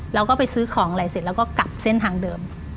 เราก็ไปซื้อของอะไรเสร็จแล้วก็กลับเส้นทางเดิม